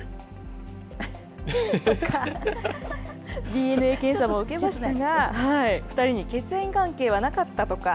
ＤＮＡ検査も受けましたが、２人に血縁関係はなかったとか。